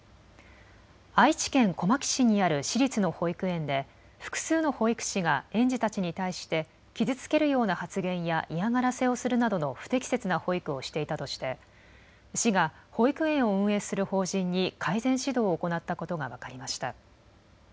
愛知県小牧市にある私立の保育園で複数の保育士が園児たちに対して傷つけるような発言や嫌がらせをするなどの不適切な保育をしていたとして市が保育園を運営する法人に改善指導を行ったことが分かりました。